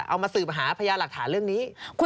เอามาสืบหาพยาหลักฐานเรื่องนี้